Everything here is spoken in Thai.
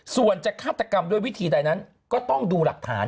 ส่วนจะฆาตกรรมด้วยวิธีใดนั้นก็ต้องดูหลักฐาน